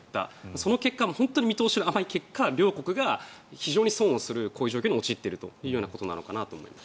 その結果本当に見通しが甘い結果両国が非常に損をするこういう状況に陥っているということなのかなと思います。